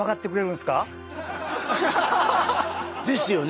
ですよね？